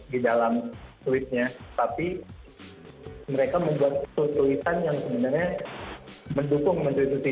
di dalam tweet nya tapi mereka membuat tulisan yang sebenarnya mendukung menteri susi